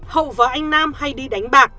hậu và anh nam hay đi đánh bạc